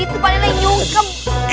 itu pak deh nyungkep